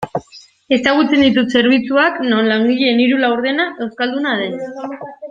Ezagutzen ditut zerbitzuak non langileen hiru laurdena euskalduna den.